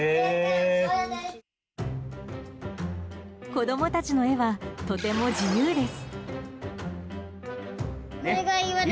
子供たちの絵はとても自由です。